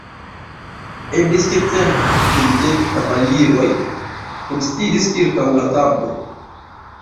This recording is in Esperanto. Eblis ke cent kvindek kavaliroj kunsidis ĉirkaŭ la tablo.